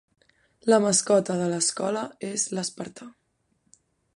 La mascota de l'escola és l'espartà.